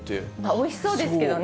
おいしそうですけどね。